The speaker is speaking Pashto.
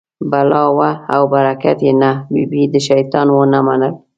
بلا وه او برکت یې نه، ببۍ د شیطان و نه منل.